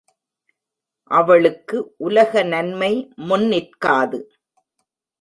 அவளுக்கு உலக நன்மை முன் நிற்காது.